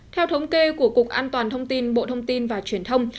theo thống kê của cục an toàn thông tin bộ thông tin và truyền thông